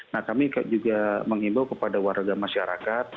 nah kami juga mengimbau kepada warga masyarakat